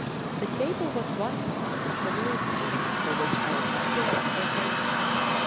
The table was one mass of the roses for which Alexandria is so famous.